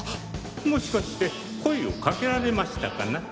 もしかして声をかけられましたかな？